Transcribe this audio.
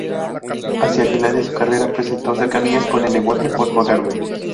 Hacia el final de su carrera presentó cercanías con el lenguaje postmoderno.